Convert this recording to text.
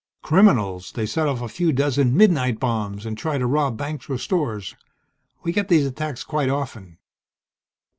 "Criminals. They set off a few dozen 'midnight' bombs and try to rob banks or stores. We get these attacks quite often."